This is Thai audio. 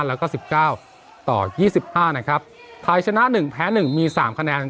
แล้วก็สิบเก้าต่อยี่สิบห้านะครับไทยชนะหนึ่งแพ้หนึ่งมีสามคะแนน